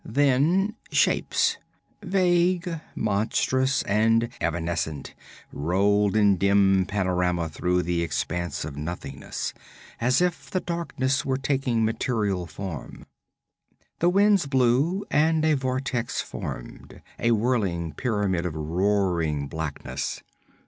Then shapes, vague, monstrous and evanescent, rolled in dim panorama through the expanse of nothingness, as if the darkness were taking material form. The winds blew and a vortex formed, a whirling pyramid of roaring blackness.